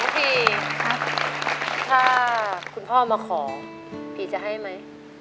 พี่ถ้าคุณพ่อมาขอพี่จะให้ไหม